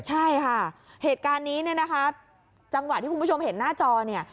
ใช่ค่ะเหตุการณ์นี้เนี่ยนะคะจังหวะที่คุณผู้ชมเห็นหน้าจอเนี่ย